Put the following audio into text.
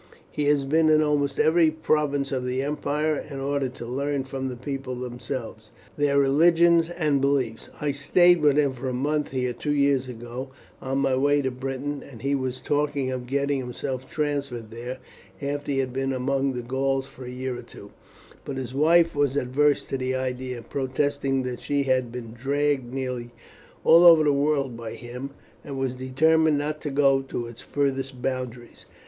He has been in almost every province of the empire in order to learn from the people themselves their religions and beliefs. I stayed with him for a month here two years since on my way to Britain, and he was talking of getting himself transferred there, after he had been among the Gauls for a year or two; but his wife was averse to the idea, protesting that she had been dragged nearly all over the world by him, and was determined not to go to its furthest boundaries.